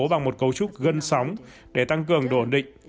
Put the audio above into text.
bằng một cấu trúc gân sóng để tăng cường độ ổn định